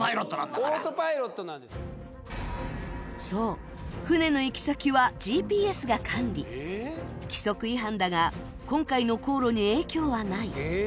そう船の行き先はＧＰＳが管理規則違反だが今回の航路に影響はない